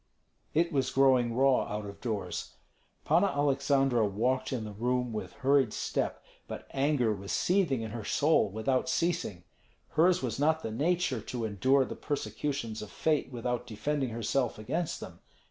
It was growing raw out of doors. Panna Aleksandra walked in the room with hurried step, but anger was seething in her soul without ceasing. Hers was not the nature to endure the persecutions of fate without defending herself against them.